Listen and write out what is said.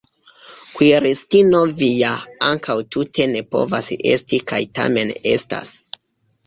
Kuiristino vi ja ankaŭ tute ne povas esti kaj tamen estas!